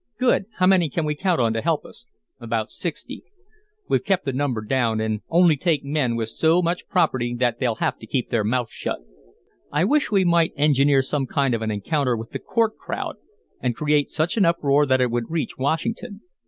"Good. How many can we count on to help us?" "About sixty. We've kept the number down, and only taken men with so much property that they'll have to keep their mouths shut." "I wish we might engineer some kind of an encounter with the court crowd and create such an uproar that it would reach Washington.